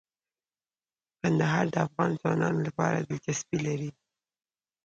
کندهار د افغان ځوانانو لپاره دلچسپي لري.